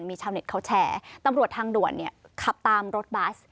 มีชาวเน็ตเขาแชร์ตำรวจทางด่วนเนี่ยขับตามรถบัส